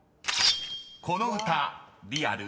［この歌リアル？